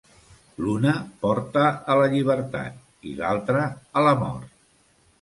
L'una porta a la llibertat i l'altra a la mort.